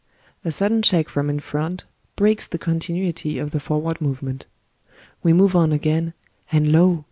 A sudden check from in front breaks the continuity of the forward movement. We move on again, and lo